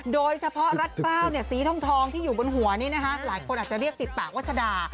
โดยเฉพาะรัดกล้าวสีทองที่อยู่บนหัวนี้นะคะหลายคนอาจจะเรียกติดปากวัชดา